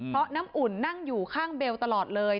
เพราะน้ำอุ่นนั่งอยู่ข้างเบลตลอดเลย